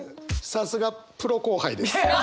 さすがプロ後輩です。